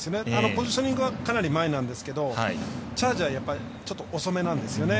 ポジショニングはかなり前なんですがチャージは遅めなんですよね。